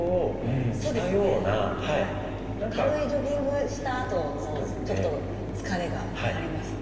はい軽いジョギングしたあとのちょっと疲れがありますね。